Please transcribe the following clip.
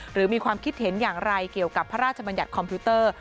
หรือมีความคิดเห็นอย่างไรเกี่ยวกับพระราชบัญญัติคอมพิวเตอร์